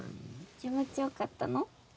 気持ちよかったの？